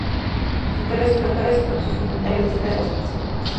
Otros escritores pronto agregaron sus comentarios acerca de la situación.